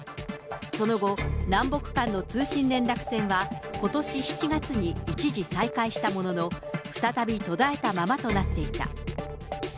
その後、南北間の通信連絡線はことし７月に一時再開したものの、再び途絶えたままとなっていた。